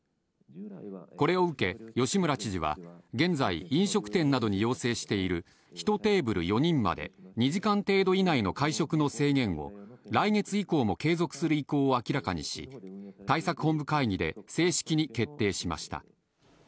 これを受け、吉村知事は、現在、飲食店などに要請している１テーブル４人まで、２時間程度以内の会食の制限を、来月以降も継続する意向を明らかにし、対策本部会議で正式に決定しました。